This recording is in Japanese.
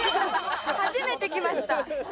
初めて来ました。